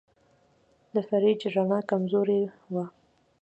د فریج رڼا کمزورې وه.